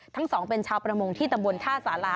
ทั้งสองเป็นชาวประมงที่ตำบลท่าสารา